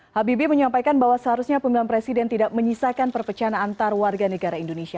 habibie menyampaikan bahwa seharusnya pemilihan presiden tidak menyisakan perpecahan antar warga negara indonesia